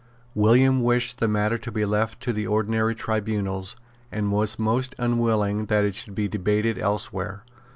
William wished the matter to be left to the ordinary tribunals, and was most unwilling that it should be debated elsewhere.